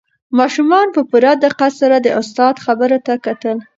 ماشومانو په پوره دقت سره د استاد خبرو ته کتل.